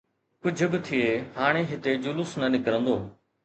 ڪجهه به ٿئي، هاڻي هتي جلوس نه نڪرندو.